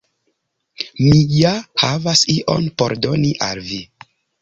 Mi ja havas ion por doni al vi